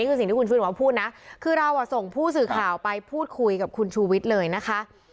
เราพูดนะคือเราส่งผู้สื่อข่าวไปพูดคุยกับคุณชู่วิทย์เลยนะคะ